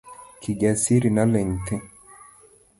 Kijasiri noling thii.